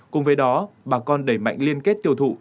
cùng với đó bà con đẩy mạnh liên kết tiêu thụ